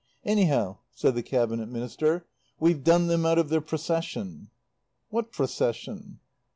"Anyhow," said the Cabinet Minister, "we've done them out of their Procession." "What Procession?"